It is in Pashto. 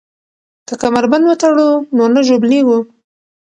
که کمربند وتړو نو نه ژوبلیږو.